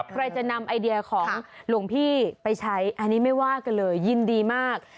ใครจะนำไอเดียของหลวงพี่ไปใช้อันนี้ไม่ว่ากันเลยยินดีมาก